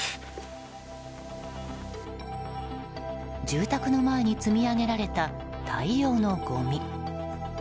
住宅の前に積み上げられた大量のごみ。